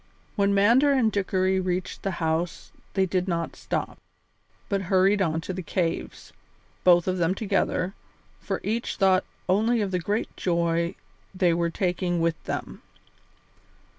When Mander and Dickory reached the house they did not stop, but hurried on towards the cave, both of them together, for each thought only of the great joy they were taking with them.